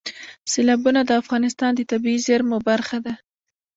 سیلابونه د افغانستان د طبیعي زیرمو برخه ده.